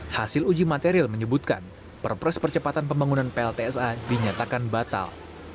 hasil uji material menyebutkan perpres percepatan pembangunan pltsa dinyatakan batal